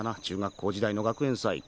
中学校時代の学園祭。